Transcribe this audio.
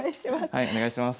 はいお願いします。